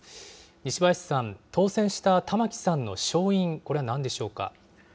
西林さん、当選した玉城さんの勝因、これはなんでしょうか。